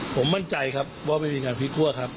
ผมมั่นใจครับว่าไม่มีงานพลิกคั่วครับ